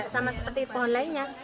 sama seperti pohon lainnya